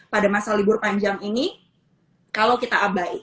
pada masa libur panjang ini kalau kita abai